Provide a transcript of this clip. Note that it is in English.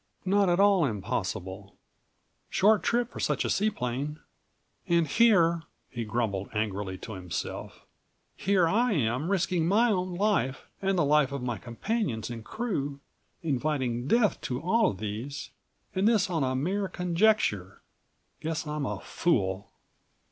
"Not at all impossible. Short trip for such a seaplane." "And here," he grumbled angrily to himself, "here I am risking my own life and the life of my companions and crew, inviting death to all these, and this on a mere conjecture. Guess I'm a fool."